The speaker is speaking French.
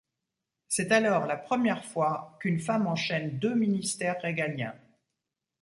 C'est alors la première fois qu'une femme enchaîne deux ministères régaliens.